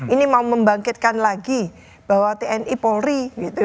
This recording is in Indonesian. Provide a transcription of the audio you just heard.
ini mau membangkitkan lagi bahwa tni polri